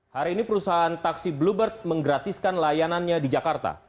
hari ini perusahaan taksi bluebird menggratiskan layanannya di jakarta